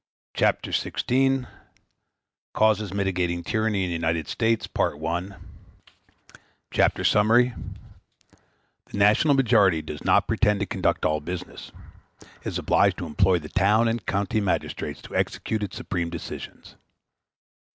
] Chapter XVI: Causes Mitigating Tyranny In The United States—Part I Chapter Summary The national majority does not pretend to conduct all business—Is obliged to employ the town and county magistrates to execute its supreme decisions.